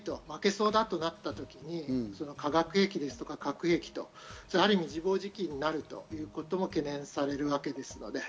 負けそうだとなった時に化学兵器ですとか核兵器、ある意味、自暴自棄になるということも懸念されるわけです。